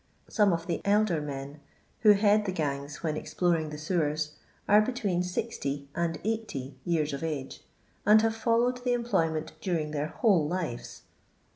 Some of the elder men, who head the gangs when exploring the sewers, aro between 60 and 80 years of age, and have followed the employment during their whole lives.